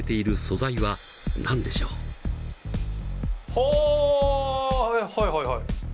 ほうはいはいはい。